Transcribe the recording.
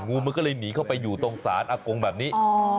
งูมันก็เลยหนีเข้าไปอยู่ตรงศาลอากงแบบนี้